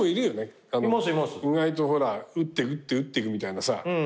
意外と打って打って打ってくみたいなさ。